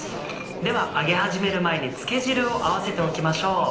では揚げ始める前に漬け汁を合わせておきましょう。